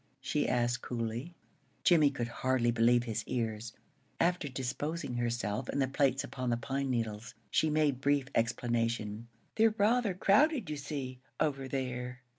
she asked, coolly. Jimmie could hardly believe his ears. After disposing herself and the plates upon the pine needles, she made brief explanation. "They're rather crowded, you see, over there.